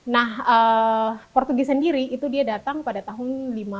nah portugi sendiri itu dia datang pada tahun seribu lima ratus